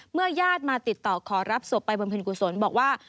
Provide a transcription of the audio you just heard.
เมื่อยาดมาติดต่อขอรับศพไปบรรพินกุศลบอกว่า